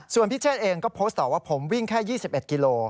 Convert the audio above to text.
ส่วนพี่เชษเองก็โพสต์ต่อว่าผมวิ่งแค่๒๑กิโล